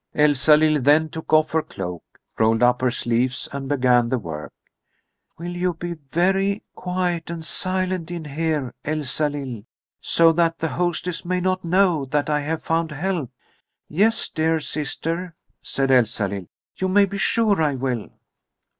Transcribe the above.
Elsalill then took off her cloak, rolled up her sleeves and began the work. "Will you be very quiet and silent in here, Elsalill, so that the hostess may not know that I have found help?" "Yes, dear sister," said Elsalill; "you may be sure I will."